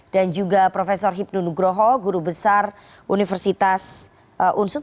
dan juga prof hipno nugroho guru besar universitas unsud